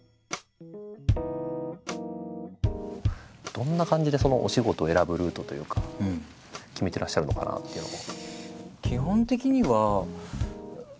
どんな感じでお仕事を選ぶルートというか決めてらっしゃるのかなっていうのを。